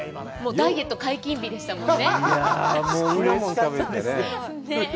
ダイエット解禁日でしたね。